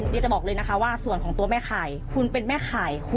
ดีกว่าดีกว่า